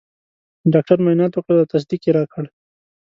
ډاکټر معاینات وکړل او تصدیق یې راکړ.